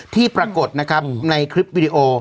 ที่ปรากฏนะครับในคลิปวิดีโอ